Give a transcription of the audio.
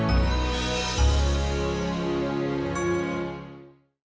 om jin gak boleh ikut